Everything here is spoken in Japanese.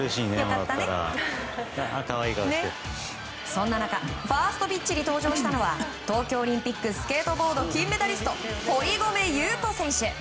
そんな中ファーストピッチに登場したのは東京オリンピックスケートボード金メダリスト堀米雄斗選手。